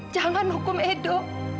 jangan hukum edo